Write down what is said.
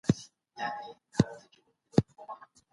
مړ سوئ دئ ژوندى نـه دئ